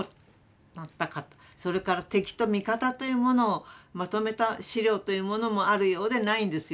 それから敵と味方というものをまとめた資料というものもあるようでないんですよね。